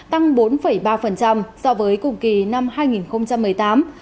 tăng bốn ba so với cùng kỳ năm hai nghìn một mươi tám